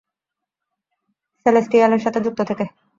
সেলেস্টিয়ালের সাথে যুক্ত থেকে।